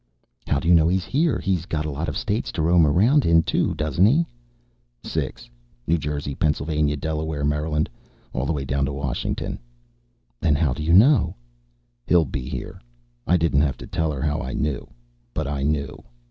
"How do you know he's here? He's got a lot of states to roam around in, too, doesn't he?" "Six. New Jersey, Pennsylvania, Delaware, Maryland all the way down to Washington." "Then how do you know " "He'll be here." I didn't have to tell her how I knew. But I knew.